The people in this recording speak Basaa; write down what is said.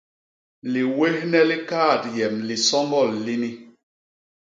Liwéhne li kaat yem lisoñgol lini.